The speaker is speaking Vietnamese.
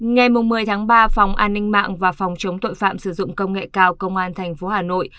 ngày một mươi ba phòng an ninh mạng và phòng chống tội phạm sử dụng công nghệ cao công an thành phố hà nội